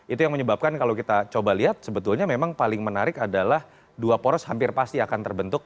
itu yang menyebabkan kalau kita coba lihat sebetulnya memang paling menarik adalah dua poros hampir pasti akan terbentuk